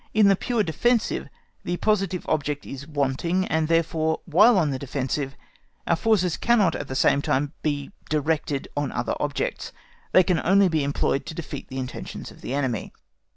In the pure defensive the positive object is wanting, and therefore, while on the defensive, our forces cannot at the same time be directed on other objects; they can only be employed to defeat the intentions of the enemy.